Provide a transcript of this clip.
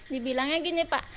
dibilangnya gini pak